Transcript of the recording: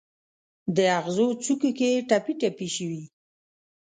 د اغزو څوکو کې ټپي، ټپي شوي